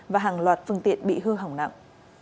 và hàng loạt phương tiện bị hư hỏng nặng